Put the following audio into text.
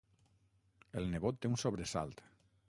El nebot té un sobresalt.